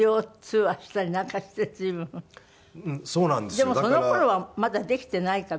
でもその頃はまだできていないか？